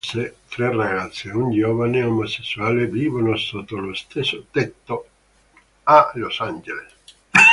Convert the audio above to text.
Tre ragazze e un giovane omosessuale vivono sotto lo stesso tetto, a Los Angeles.